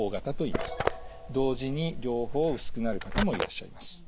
同時に両方薄くなる方もいらっしゃいます。